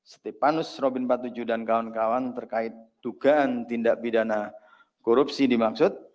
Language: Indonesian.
stefanus robin patuju dan kawan kawan terkait dugaan tindak pidana korupsi dimaksud